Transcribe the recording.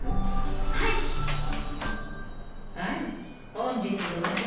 本日のお宝